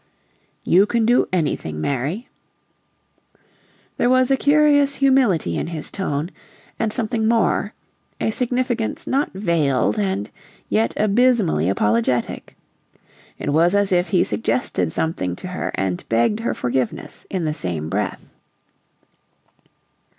"You can do anything, Mary." There was a curious humility in his tone, and something more a significance not veiled and yet abysmally apologetic. It was as if he suggested something to her and begged her forgiveness in the same breath.